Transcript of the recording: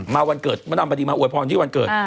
วันเกิดมดำพอดีมาอวยพรที่วันเกิด